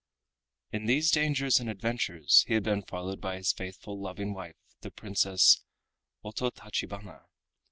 In these dangers and adventures he had been followed by his faithful loving wife the Princess Ototachibana.